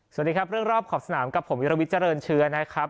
สวัสดีครับเรื่องรอบขอบสนามกับผมวิรวิทย์เจริญเชื้อนะครับ